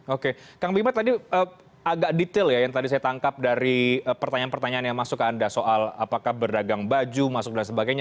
oke kang bima tadi agak detail ya yang tadi saya tangkap dari pertanyaan pertanyaan yang masuk ke anda soal apakah berdagang baju masuk dan sebagainya